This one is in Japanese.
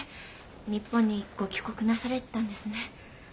日本にご帰国なされてたんですね。